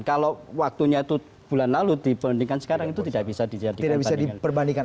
kalau waktunya itu bulan lalu dipandingkan sekarang itu tidak bisa diperbandingkan